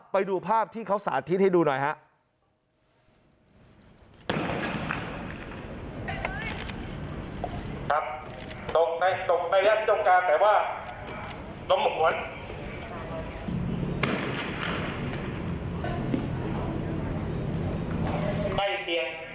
ไปดูภาพที่เขาสาธิตให้ดูหน่อยครับ